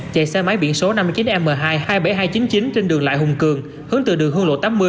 chạy xe máy biển số năm mươi chín m hai hai mươi bảy nghìn hai trăm chín mươi chín trên đường lại hùng cường hướng từ đường hương lộ tám mươi